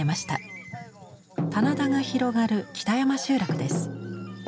棚田が広がる北山集落です。